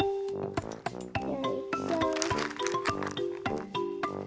よいしょ。